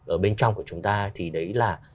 ở bên trong của chúng ta thì đấy là